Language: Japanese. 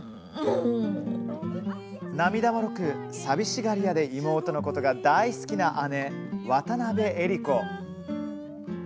涙もろくさびしがりやで妹のことが大好きな姉渡辺江里子。